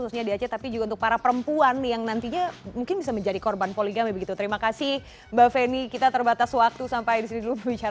kalau pemerintah menilai bahwa dia tidak cukup gajinya